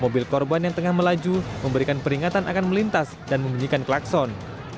mobil korban yang tengah melaju memberikan peringatan akan melintas dan membunyikan klakson